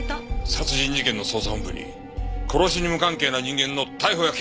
殺人事件の捜査本部に殺しに無関係な人間の逮捕や警護が出来るはずがない！